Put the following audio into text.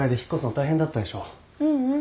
ううん。